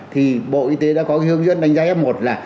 thì bộ y tế đã có hướng dẫn đánh giá f một là